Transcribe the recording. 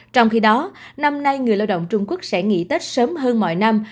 trong khi đó năm nay người lao động trung quốc sẽ nghỉ tết sớm hơn mọi năm